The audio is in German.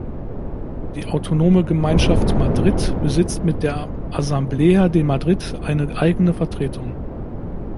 Die Autonome Gemeinschaft Madrid besitzt mit der Asamblea de Madrid eine eigene Vertretung.